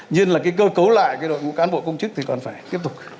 nhiên là cái cơ cấu lại cái đội ngũ cán bộ công chức thì còn phải tiếp tục